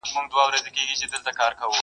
o پر پچه وختی، کشمير ئې وليدی٫